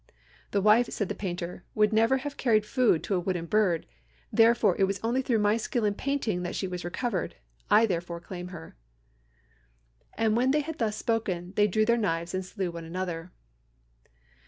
"'The wife,' said the painter, 'never would have carried food to a wooden bird; therefore it was only through my skill in painting that she was recovered; I, therefore, claim her.' "And when they had thus spoken, they drew their knives and slew one another."